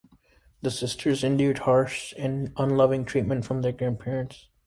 The sisters endured harsh and unloving treatment from their grandparents.